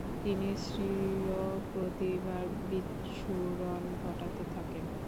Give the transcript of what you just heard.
তিনি স্বীয় প্রতিভার বিচ্ছুরণ ঘটাতে থাকেন।